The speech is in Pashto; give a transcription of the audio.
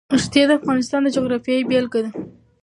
ښتې د افغانستان د جغرافیې بېلګه ده.